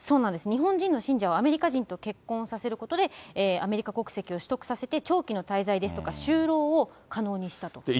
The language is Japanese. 日本人の信者をアメリカ人と結婚させることで、アメリカ国籍を取得させて、長期の滞在ですとか、就労を可能にしたと。